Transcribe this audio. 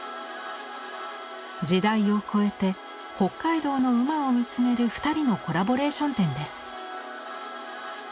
時代を超えて北海道の馬を見つめる２人のコラボレーション展です。